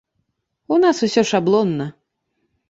У нас усё шаблонна.